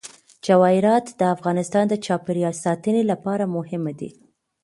جواهرات د افغانستان د چاپیریال ساتنې لپاره مهم دي.